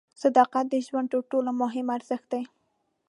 صداقت د ژوند تر ټولو مهم ارزښت دی.